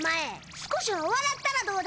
少しは笑ったらどうだ！